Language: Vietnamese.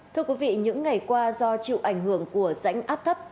thưa quý vị những ngày qua do chịu ảnh hưởng của rãnh áp thấp